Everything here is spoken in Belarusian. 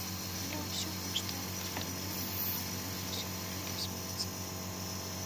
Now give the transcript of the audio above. Я ўсё нешта прыдумляю, а яно ўсё рэалізуецца.